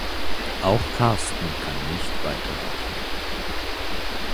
Auch Carsten kann nicht weiterhelfen.